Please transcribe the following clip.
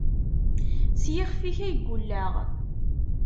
S yixef-ik ay gulleɣ.